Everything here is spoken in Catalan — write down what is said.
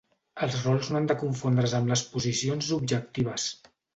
Els rols no han de confondre's amb les posicions objectives.